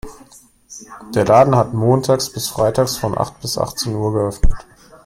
Der Laden hat montags bis freitags von acht bis achtzehn Uhr geöffnet.